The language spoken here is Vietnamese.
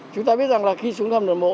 chúng ta biết rằng là khi xuống hầm đường bộ